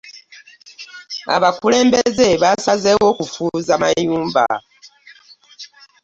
Abakulembeze basazeewo kufuuza mayumba.